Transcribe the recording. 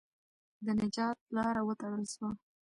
د نجات لاره وتړل سوه.